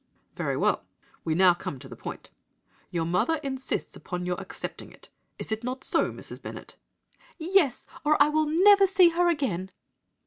"'Very well. We now come to the point. Your mother insists upon your accepting it. Is it not so, Mrs. Bennet?' "'Yes, or I will never see her again.'